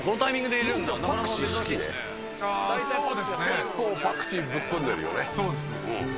結構パクチーぶっ込んでるよね。